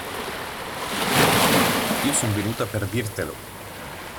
Io son venuta per dirtelo.